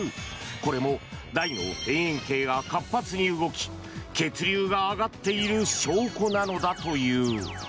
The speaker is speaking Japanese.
これも大脳辺縁系が活発に動き血流が上がっている証拠なのだという。